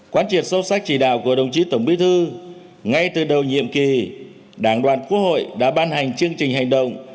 quán triệt sâu sắc chỉ đạo của đồng chí tổng bí thư ngay từ đầu nhiệm kỳ đảng đoàn quốc hội đã ban hành chương trình hành động